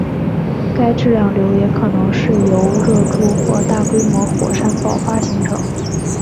该质量瘤也可能是由热柱或大规模火山爆发形成。